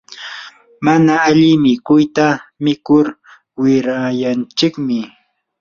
mana alli mikuyta mikur wirayanchikmi.